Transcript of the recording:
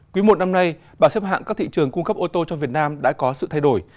quý một năm nay bảo xếp hạng các thị trường cung cấp ô tô cho việt nam đã có sự thay đổi